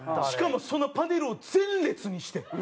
しかもそのパネルを前列にして。